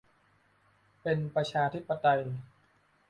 เป็นประชาธิปไตย